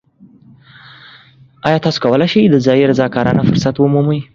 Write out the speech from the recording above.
ایا تاسو کولی شئ د ځایی رضاکارانه فرصت ومومئ؟